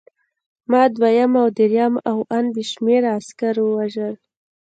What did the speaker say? ما دویم او درېیم او ان بې شمېره عسکر ووژل